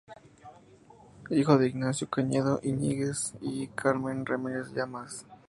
Hijo de Ignacio Cañedo Iñiguez y Carmen Ramírez Llamas.